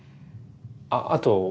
あっあと